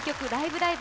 ライブ！」